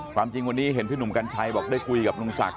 ความจริงวันนี้เห็นพี่หนุ่มกัญชัยบอกได้คุยกับลุงศักดิ